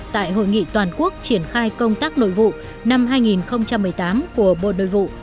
tại hội nghị toàn quốc triển khai công tác nội vụ năm hai nghìn một mươi tám của bộ nội vụ